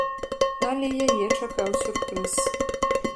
Але яе чакаў сюрпрыз.